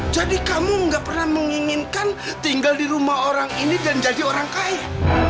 jadi kamu nggak pernah menginginkan tinggal di rumah orang ini dan jadi orang kaya